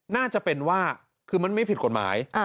น่าจะเป็นว่าคือมันไม่ผิดกฎหมาย